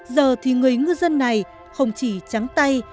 giờ thì người ngư dân này không chỉ trắng tay